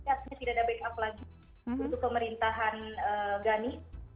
sehatnya tidak ada backup lagi untuk pemerintahan ghani